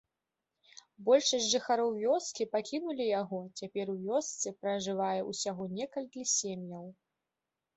Большасць жыхароў вёскі пакінулі яго, цяпер у вёсцы пражывае ўсяго некалькі сем'яў.